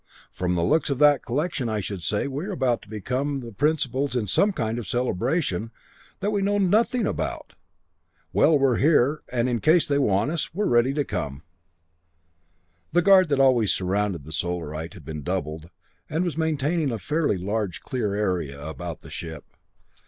"From the looks of that collection, I should say we are about to become the principals in some kind of a celebration that we know nothing about. Well, we're here, and in case they want us, we're ready to come." The guard that always surrounded the Solarite had been doubled, and was maintaining a fairly large clear area about the ship.